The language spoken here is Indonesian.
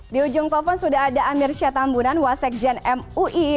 di ujung tofon sudah ada amirsyah tambunan wasekjen mui